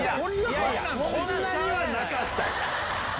いやいやこんなにはなかったよ。